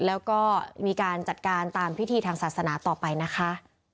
แล้วก็มีการจัดการตามพิธีทางศาสนาต่อไปนะคะ